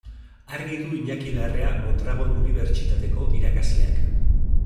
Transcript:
Argi du Iñaki Larrea Mondragon Unibertsitateko irakasleak.